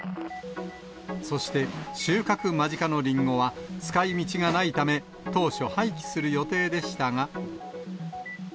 そして収穫間近のリンゴは、使いみちがないため、当初、廃棄する予定でしたが。